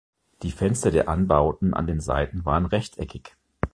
Die Fenster der Anbauten an den Seiten waren rechteckig.